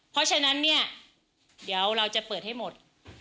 เพราะฉะนั้นเนี่ยเดี๋ยวเราจะเปิดให้หมด